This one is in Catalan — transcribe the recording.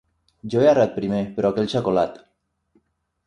Jo he arribat primer, però aquell s'ha colat.